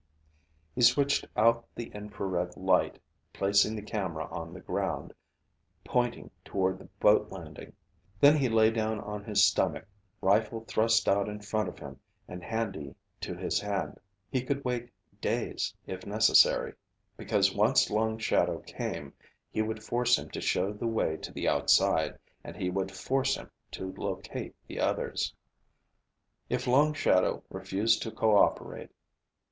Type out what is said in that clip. He switched out the infrared light, placing the camera on the ground, pointing toward the boat landing. Then he lay down on his stomach, rifle thrust out in front of him and handy to his hand. He could wait. He could wait days, if necessary. Because once Long Shadow came, he would force him to show the way to the outside, and he would force him to locate the others. If Long Shadow refused to co operate